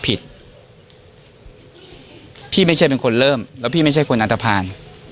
ผิดพี่ไม่ใช่เป็นคนเริ่มแล้วพี่ไม่ใช่คนอันตภัณฑ์